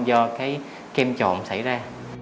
do cái kem trộn xảy ra